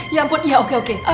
ya ampun ya oke oke